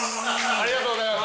ありがとうございます。